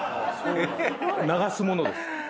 流すものです。